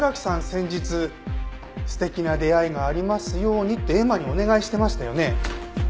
先日「素敵な出逢いがありますように」って絵馬にお願いしてましたよね。